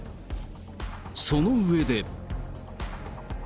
その上で。